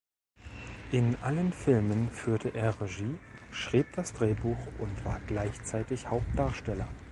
In allen Filmen führte er Regie, schrieb das Drehbuch und war gleichzeitig Hauptdarsteller.